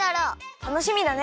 たのしみだね！